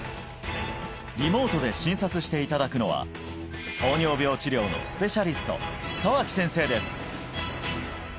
リモートで診察していただくのは糖尿病治療のスペシャリスト澤木先生です